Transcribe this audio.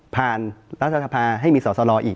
ผ่านรัฐธรรพาให้มีสอสอลออีก